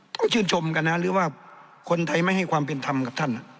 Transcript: ก็ชื่นชมกันนะหรือว่าคนไทยไม่ให้ความเป็นธรรมกับท่าน